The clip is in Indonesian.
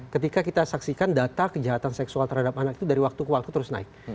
ketika kita saksikan data kejahatan seksual terhadap anak itu dari waktu ke waktu terus naik